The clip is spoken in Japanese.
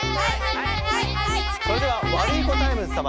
それではワルイコタイムス様。